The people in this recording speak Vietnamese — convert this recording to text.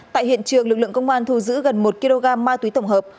tại hiện trường lực lượng công an thu giữ gần một kg ma túy tổng hợp